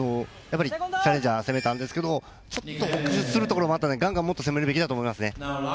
チャレンジャー、攻めたんですけど、ちょっと臆するところもあったのでがんがんもっと攻めるべきだと思いますね。